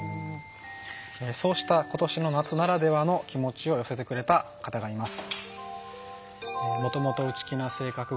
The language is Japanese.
そうした今年の夏ならではの気持ちを寄せてくれた方がいます。